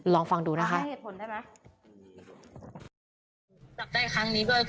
ลองฟังดูนะคะ